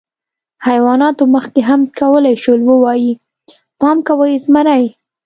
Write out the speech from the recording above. حیواناتو مخکې هم کولی شول، ووایي: «پام کوئ، زمری!».